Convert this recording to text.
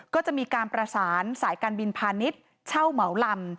ก็จะมีการประสานสายการบินพาณิชย์เช่าเหมาลำ